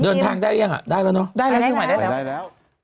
เดินทางได้หรือยังได้แล้วเนาะได้แล้วชื่อใหม่ได้แล้ว